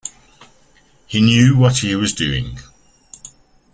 He knew what he was doing.